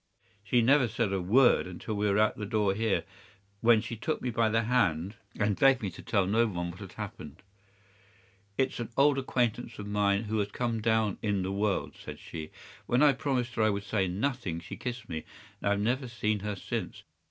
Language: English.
She never said a word until we were at the door here, when she took me by the hand and begged me to tell no one what had happened. "'"It's an old acquaintance of mine who has come down in the world," said she. When I promised her I would say nothing she kissed me, and I have never seen her since.